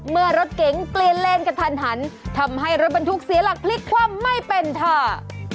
เมื่อรถเก๋งเปลี่ยนเลนกระทันหันทำให้รถบรรทุกเสียหลักพลิกคว่ำไม่เป็นท่า